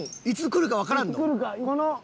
いつ来るかわからんの？